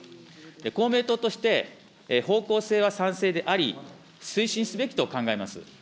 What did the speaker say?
公明党として、方向性は賛成であり、推進すべきと考えます。